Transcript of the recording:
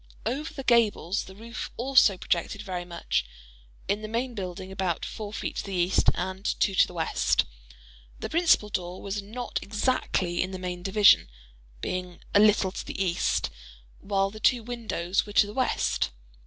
Over the gables the roofs also projected very much:—in the main building about four feet to the east and two to the west. The principal door was not exactly in the main division, being a little to the east—while the two windows were to the west.